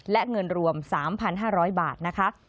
และเงินรวม๓๕๐๐บาทนะคะ